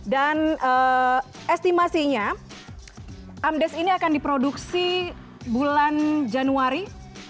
dan estimasinya amdes ini akan diproduksi bulan januari dua ribu sembilan belas